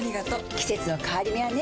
季節の変わり目はねうん。